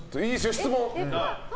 質問。